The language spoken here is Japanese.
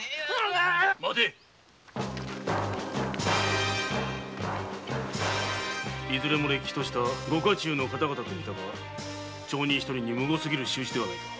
待ていずれも歴としたご家中の方々と見たが町人一人にむごすぎる仕打ちではないか。